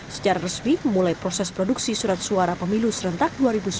secara resmi memulai proses produksi surat suara pemilu serentak dua ribu sembilan belas